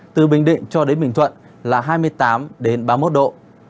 từ bình định cho đến bình thuận là hai mươi tám ba mươi một độ